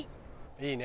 いいね。